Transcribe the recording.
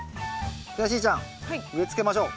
ではしーちゃん植え付けましょう。